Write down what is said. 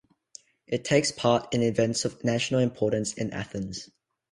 It takes part in events of national importance in Athens.